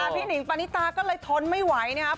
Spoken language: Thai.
พี่หนิงปานิตาก็เลยทนไม่ไหวนะครับ